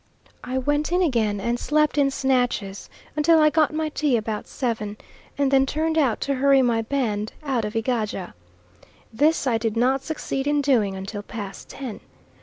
I went in again and slept in snatches until I got my tea about seven, and then turned out to hurry my band out of Egaja. This I did not succeed in doing until past ten.